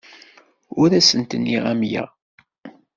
Ur asent-nniɣ amya.